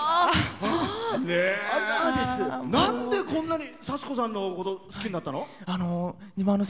なんで、こんなに幸子さんのこと好きになったの？